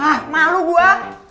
ah malu gua